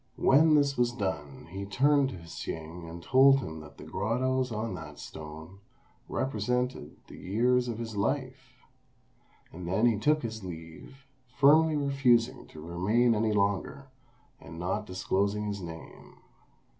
When this was done, he turned to Hsing and told him that the grottoes on that stone represented the years of his life; and then he took his leave, firmly refusing to remain any longer, and not disclosing his name.